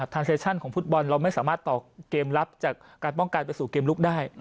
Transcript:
เซชั่นของฟุตบอลเราไม่สามารถต่อเกมลับจากการป้องกันไปสู่เกมลุกได้